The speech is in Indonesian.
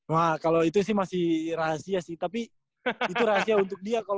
wah kalau itu sih masih rahasia sih tapi itu rahasia untuk dia